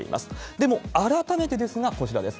でも、改めてですが、こちらです。